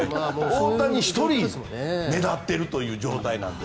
大谷１人が目立っている状態なんで。